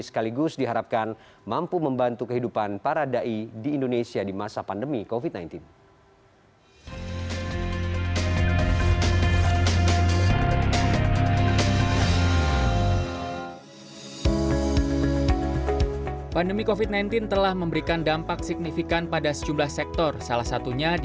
sekaligus diharapkan mampu membantu kehidupan para dai di indonesia di masa pandemi covid sembilan belas